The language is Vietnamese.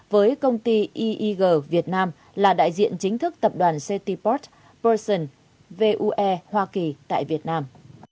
với công ty eeg việt nam là đại diện chính thức tập đoàn cityport person vue hoa kỳ tại việt nam